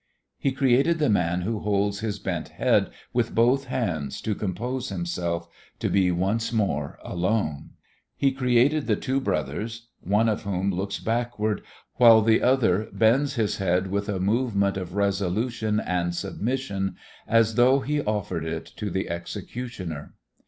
He created the man who holds his bent head with both hands to compose himself, to be once more alone. He created the two brothers, one of whom looks backward while the other bends his head with a movement of resolution and submission as though he offered it to the executioner.